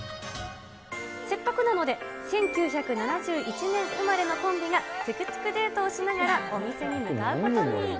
せっかくなので、１９７１年生まれのコンビが、トゥクトゥクデートをしながらお店に向かうことに。